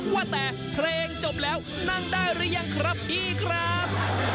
ว่าแต่เพลงจบแล้วนั่งได้หรือยังครับพี่ครับ